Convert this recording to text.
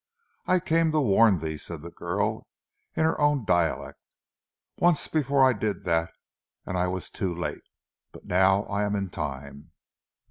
"I come to warn thee," said the girl in her own dialect. "Once before I did that, and I was too late. But now I am in time."